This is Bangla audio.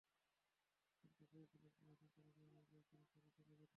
কিন্তু সেই গোলাপ নিয়ে হাসপাতালে যাওয়ার আগেই চিরতরে চলে যান মা।